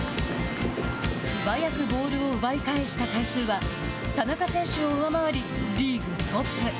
素早くボールを奪い返した回数は田中選手を上回りリーグトップ。